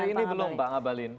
sampai hari ini belum pak ngabalin